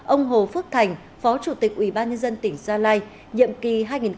ông hồ phước thành phó chủ tịch ubnd tỉnh gia lai nhiệm kỳ hai nghìn hai mươi một hai nghìn hai mươi sáu